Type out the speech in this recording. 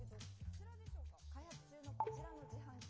開発中のこちらの自販機。